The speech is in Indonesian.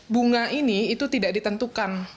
bunga ini itu tidak ditentukan